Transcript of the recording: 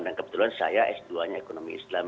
dan kebetulan saya s dua nya ekonomi islam